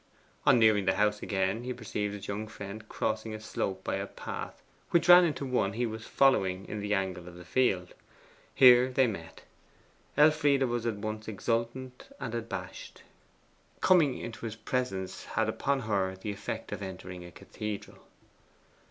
On nearing the house again he perceived his young friend crossing a slope by a path which ran into the one he was following in the angle of the field. Here they met. Elfride was at once exultant and abashed: coming into his presence had upon her the effect of entering a cathedral.